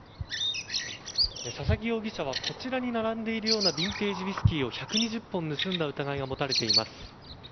佐々木容疑者はこちらに並んでいるようなビンテージウイスキーを１２０本盗んだ疑いが持たれています。